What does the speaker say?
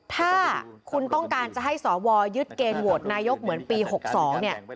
ถ้าคุณต้องการจะให้สวยึดเกณฑ์โหวตนายกเหมือนปี๖๒เนี่ย